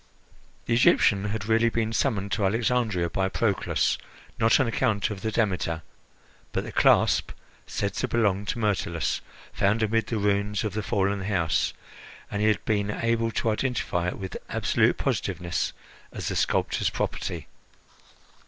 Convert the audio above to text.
The Egyptian had really been summoned to Alexandria by Proclus, not on account of the Demeter, but the clasp said to belong to Myrtilus, found amid the ruins of the fallen house, and he had been able to identify it with absolute positiveness as the sculptor's property.